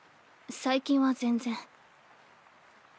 最近は全然。